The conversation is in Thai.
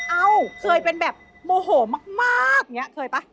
เอ้าเคยเป็นแบบโมโหมากอย่างนี้เคยป่ะ